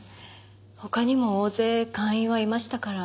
他にも大勢会員はいましたから。